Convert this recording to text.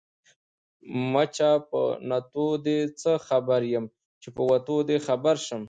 ـ مچه په نتو دې څه خبر يم ،چې په وتو دې خبر شم.